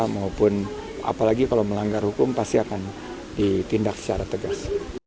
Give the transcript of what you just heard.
maupun apalagi kalau melanggar hukum pasti akan ditindak secara tegas